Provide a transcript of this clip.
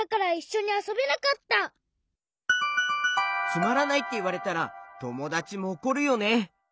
「つまらない」っていわれたらともだちもおこるよね。